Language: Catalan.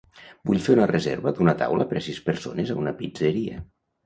Vull fer una reserva d'una taula per a sis persones a una pizzeria.